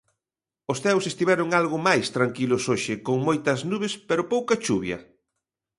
Os ceos estiveron algo máis tranquilos hoxe, con moitas nubes pero pouca chuvia.